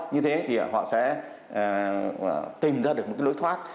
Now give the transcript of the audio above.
như thế thì họ sẽ tìm ra được một cái lối thoát